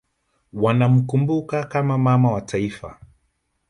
wanamkumbuka kama Mama wa Taifa